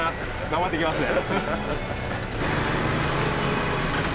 頑張ってきますね。